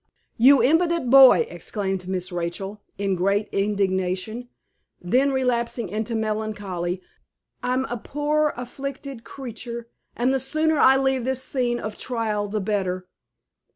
"You impudent boy!" exclaimed Miss Rachel, in great indignation. Then relapsing into melancholy, "I'm a poor afflicted creetur, and the sooner I leave this scene of trial the better."